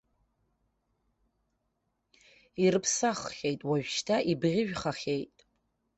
Ирыԥсаххьеит, уажәшьҭа ибӷьыжәхахьеит.